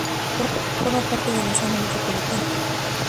Forma parte de la zona metropolitana de Tampico.